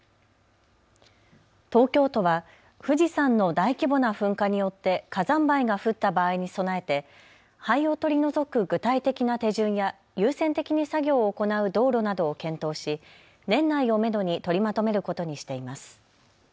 東京都は富士山の大規模な噴火によって火山灰が降った場合に備えて灰を取り除く具体的な手順や優先的に作業を行う道路などを検討し年内をめどに取りまとめることにしています。